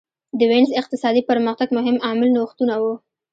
د وینز اقتصادي پرمختګ مهم عامل نوښتونه وو